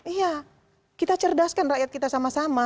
iya kita cerdaskan rakyat kita sama sama